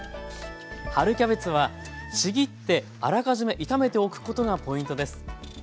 春キャベツはちぎってあらかじめ炒めておくことがポイントです。